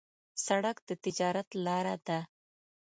سړک د تجارت لاره ده.